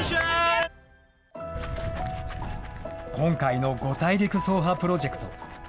今回の５大陸走破プロジェクト。